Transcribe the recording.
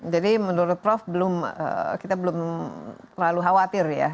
jadi menurut prof kita belum terlalu khawatir ya